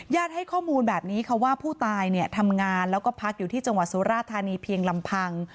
ให้ข้อมูลแบบนี้ค่ะว่าผู้ตายเนี่ยทำงานแล้วก็พักอยู่ที่จังหวัดสุราธานีเพียงลำพัง